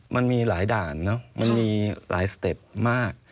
มันมีหลายด่านเนอะมันมีหลายสเต็ปมาก